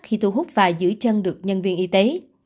khi thu hút và giữ chân được nhân viên y tế